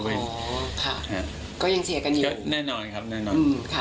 อ๋อค่ะก็ยังเชียร์กันอยู่ก็แน่นอนครับแน่นอนอืมค่ะ